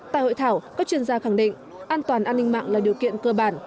tại hội thảo các chuyên gia khẳng định an toàn an ninh mạng là điều kiện cơ bản